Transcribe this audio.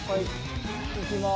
いきます。